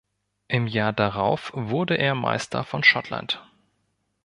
Im Jahr darauf wurde er Meister von Schottland.